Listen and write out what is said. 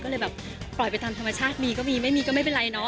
ก็เลยแบบปล่อยไปตามธรรมชาติมีก็มีไม่มีก็ไม่เป็นไรเนาะ